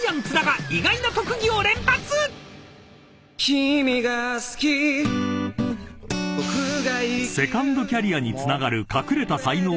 「君が好き」［セカンドキャリアにつながる］